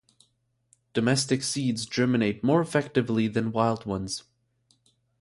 Domestic seeds germinate more effectively than wild ones.